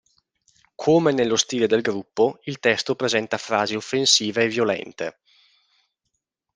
Come nello stile del gruppo, il testo presenta frasi offensive e violente.